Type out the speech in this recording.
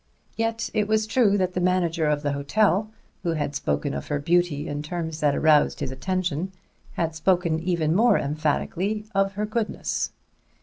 Yet it was true that the manager of the hotel, who had spoken of her beauty in terms that aroused his attention, had spoken even more emphatically of her goodness.